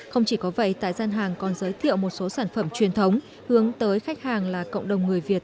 không chỉ có vậy tại gian hàng còn giới thiệu một số sản phẩm truyền thống hướng tới khách hàng là cộng đồng người việt